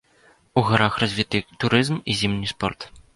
У гарах развіты турызм і зімні спорт.